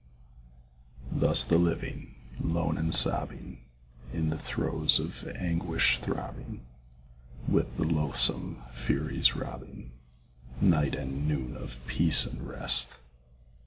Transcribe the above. Thus the living, lone and sobbing, In the throes of anguish throbbing, With the loathsome Furies robbing Night and noon of peace and rest.